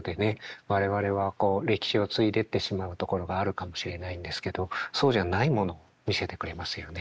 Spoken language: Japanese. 我々はこう歴史を継いでってしまうところがあるかもしれないんですけどそうじゃないもの見せてくれますよね